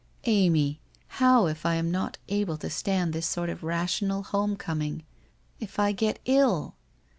' Amy, how, if I am not able to stand this sort of rational home com ing? If I get ill?'